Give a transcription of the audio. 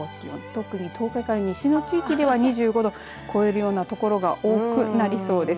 特に東海から西の地方では２５度を超えるようなところが多くなりそうです。